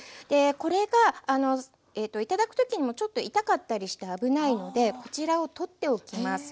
これが頂く時にもちょっと痛かったりして危ないのでこちらを取っておきます。